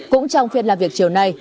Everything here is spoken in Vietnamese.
cũng trong phiên làm việc chiều nay